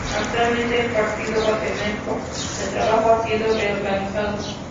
Actualmente el Partido Guatemalteco del Trabajo ha sido reorganizado.